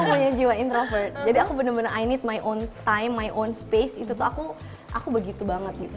iya aku punya jiwa introvert jadi aku bener bener i need my own time my own space itu tuh aku aku begitu banget gitu